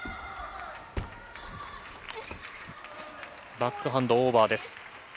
バックハンド、オーバーです。